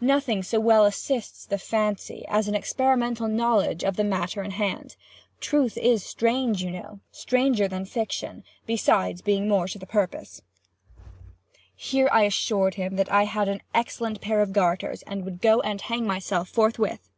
Nothing so well assists the fancy, as an experimental knowledge of the matter in hand. 'Truth is strange,' you know, 'stranger than fiction'—besides being more to the purpose." Here I assured him I had an excellent pair of garters, and would go and hang myself forthwith.